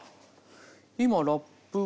今ラップは。